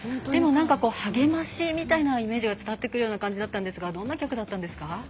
でも、励ましみたいなイメージが伝わってくるような感じだったんですがどんな曲だったんですか？